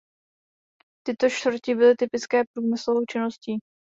Tyto čtvrti byly typické průmyslovou činností.